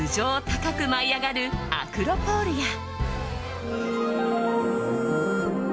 高く舞い上がるアクロ・ポールや。